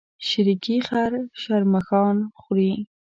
شريکي خر شرمښآن خوري.